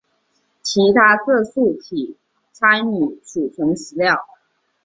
其他色素体参与储存食料。